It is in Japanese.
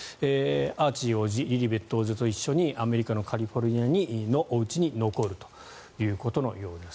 アーチー王子リリベット王女と一緒にアメリカのカリフォルニアのおうちに残るということのようです。